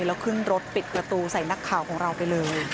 แล้วขึ้นรถปิดประตูใส่นักข่าวของเราไปเลย